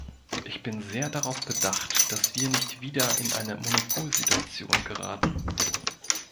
Ich bin sehr darauf bedacht, dass wir nicht wieder in eine Monopolsituation geraten.